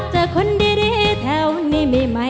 ทั้งในเรื่องของการทำงานเคยทำนานแล้วเกิดปัญหาน้อย